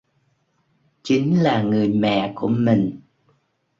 Chính là người mẹ của mình